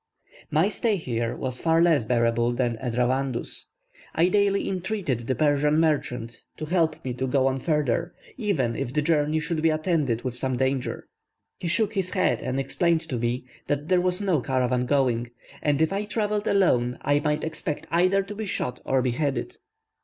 My stay here was far less bearable than at Ravandus. I daily entreated the Persian merchant to help me to go on further, even if the journey should be attended with some danger. He shook his head and explained to me, that there was no caravan going, and that if I travelled alone I might expect either to be shot or beheaded.